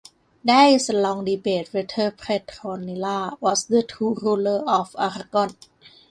There is a long debate whether Petronilla was the true ruler of Aragon.